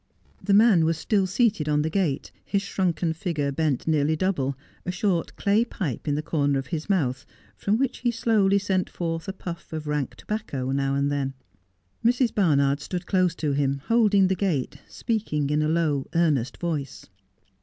The man was still seated on the gate, his shrunken figure bent nearly double, a short clay pipe in the corner of his mouth, from which he slowly sent forth a puff of rank tobacco now and then. Mrs. Barnard stood close to him, holding the gate, speaking in a low, earnest voice.